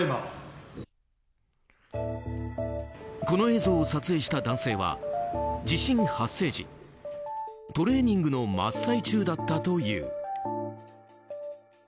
この映像を撮影した男性は地震発生時トレーニングの真っ最中だったという。